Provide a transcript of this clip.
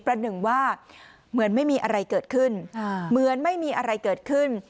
หนึ่งว่าเหมือนไม่มีอะไรเกิดขึ้นเหมือนไม่มีอะไรเกิดขึ้น